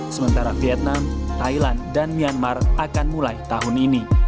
sementara vietnam thailand dan myanmar akan mulai tahun ini